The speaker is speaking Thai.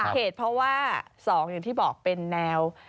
เหตุเพราะว่า๒อย่างที่บอกเป็นแนว